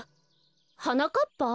はなかっぱ？